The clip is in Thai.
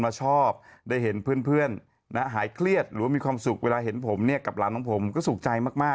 แต่ฉันไม่ขอให้เธอสัญญาเพราะทุกครั้งเธอยกข้างฉันมันก็สุดเกินจะพูดไป